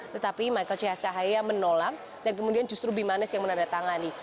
tetapi michael chasaya menolak dan kemudian justru bimanes yang menandatangani